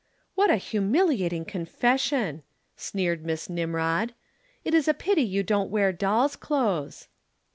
"What a humiliating confession!" sneered Miss Nimrod. "It is a pity you don't wear doll's clothes."